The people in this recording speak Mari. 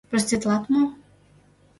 Проститлат мо?